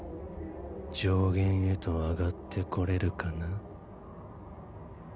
上弦へと上がってこれるかな？